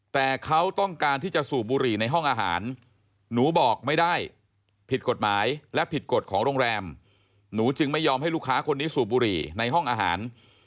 แต่เขาต้องการที่จะสูบบุหรี่ในห้องอาหาร